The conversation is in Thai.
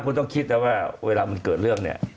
คุณต้องคิดนะว่าเวลามันเกิดเรื่องเนี่ย